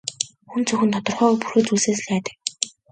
Хүн зөвхөн тодорхойгүй бүрхэг зүйлсээс л айдаг.